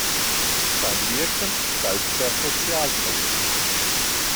Sein Wirken galt der Sozialpolitik.